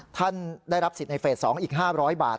ท่านได้รับสิทธิ์ในเฟส๒อีก๕๐๐บาท